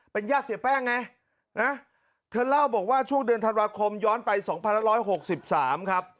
เป็นญาติเสียแป้งไงนะเธอเล่าบอกว่าช่วงเดือนธันวาคมย้อนไป๒๑๖๓ครับ